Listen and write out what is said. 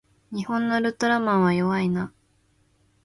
日本のウルトラマンは弱いな